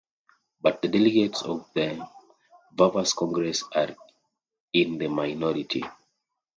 But the delegates of the Verviers congress are in the minority.